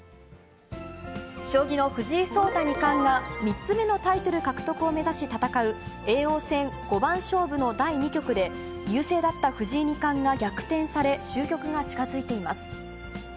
将棋の藤井聡太二冠が３つ目のタイトル獲得を目指し戦う、叡王戦五番勝負の第２局で、優勢だった藤井二冠が逆転され、終局が近づいています。